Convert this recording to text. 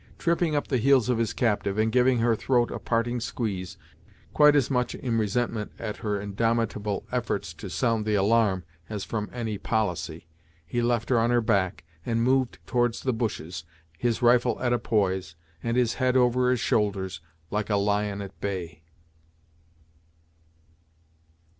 Tripping up the heels of his captive, and giving her throat a parting squeeze, quite as much in resentment at her indomitable efforts to sound the alarm as from any policy, he left her on her back, and moved towards the bushes, his rifle at a poise, and his head over his shoulders, like a lion at bay.